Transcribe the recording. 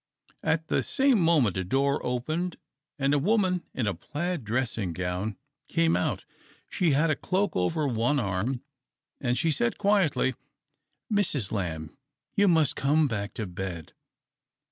At the same moment a door opened, and a woman in a plaid dressing gown came out. She had a cloak over one arm, and she said quietly, " Mrs. Lamb, you must come back to bed."